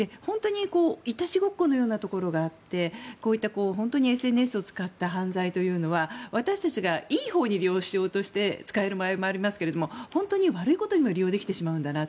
いたちごっこのようなところがあってこういった本当にＳＮＳを使った犯罪というのは私たちがいいほうに利用しようとして使える場合もありますが本当に悪いことにも利用できてしまうんだなと。